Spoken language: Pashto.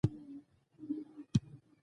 حج ته بوولي وو